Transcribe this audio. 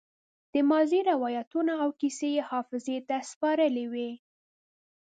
د ماضي روايتونه او کيسې يې حافظې ته سپارلې وي.